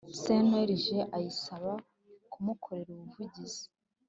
Cnlg ayisaba kumukorera ubuvugizi